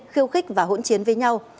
khiêu khích và hỗn chiến với nhau